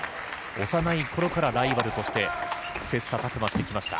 幼い頃からライバルとして切磋琢磨してきました。